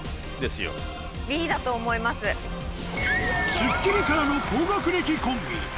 『スッキリ』からの高学歴コンビ